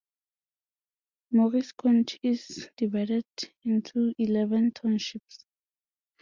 Morris County is divided into eleven townships.